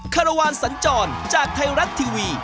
คารวาลสัญจรจากไทยรัฐทีวี